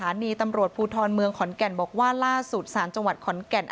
นีตำรวจภูทรเมืองขอนแก่นบอกว่าล่าสุดสารจังหวัดขอนแก่น